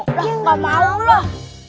udah gak mau loh